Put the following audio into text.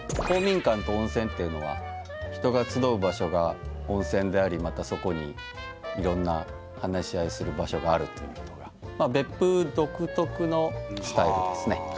公民館と温泉っていうのは人が集う場所が温泉でありまたそこにいろんな話し合いする場所があるっていうことが別府独特のスタイルですね。